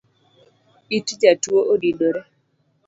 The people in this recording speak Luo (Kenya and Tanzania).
It jatuo odinore